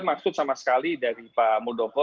maksud sama sekali dari pak muldoko